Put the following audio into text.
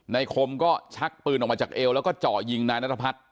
คมก็ชักปืนออกมาจากเอวแล้วก็เจาะยิงนายนัทพัฒน์